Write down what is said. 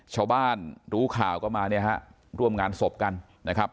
ชาวบ้านรู้ข่าวก็มาเนี่ยฮะร่วมงานศพกันนะครับ